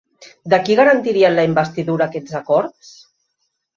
De qui garantirien la investidura aquests acords?